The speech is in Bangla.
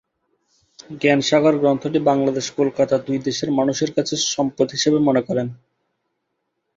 জ্ঞান সাগর গ্রন্থটি বাংলাদেশ-কলকাতা দুই দেশের মানুষের কাছে সম্পদ হিসাবে মনে করে।